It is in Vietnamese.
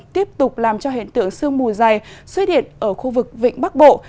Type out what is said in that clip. tiếp tục làm cho hiện tượng sương mù dày xuất hiện ở khu vực vịnh bắc bộ